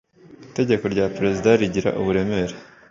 itegeko rya Perezida rigira uburemere